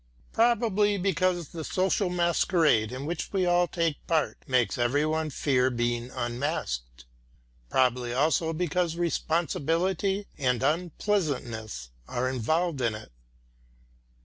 Probably because the social masquerade in which we all take part makes every one fear being unmasked, probably also because responsibility and unpleasantness are involved in it.